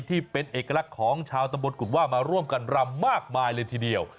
ที่เป็นเอกลักษณ์ของชาวตำบลกุฎว่ามาร่วมกันรำมากมายเลยทีเดียว